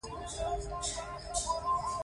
د قوانینو اجرا کول په پام کې نیول.